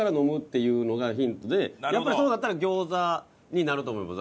やっぱりそうなったら餃子になると思います。